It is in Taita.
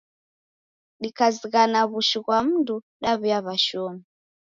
Dikazighana w'ushu ghwa mndu, daw'uya w'ashomi.